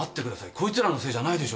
こいつらのせいじゃないでしょう？